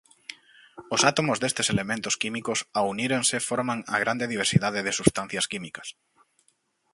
Os átomos destes elemento químicos ao unírense forman a grande diversidade de substancias químicas.